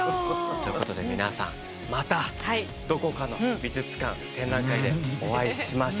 ということで皆さんまたどこかの美術館展覧会でお会いしましょう。